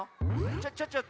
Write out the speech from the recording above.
ちょちょちょ